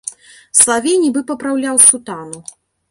Салавей нібы папраўляў сутану.